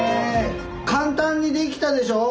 簡単にできたでしょう？